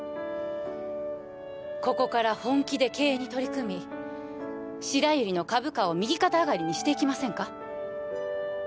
ここから本気で経営に取り組み白百合の株価を右肩上がりにしていきませんか？